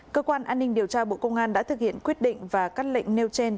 cơ quan an ninh điều tra bộ công an đã thực hiện quyết định và các lệnh nêu trên